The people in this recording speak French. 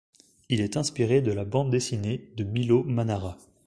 Il est inspiré de la bande dessinée de Milo Manara.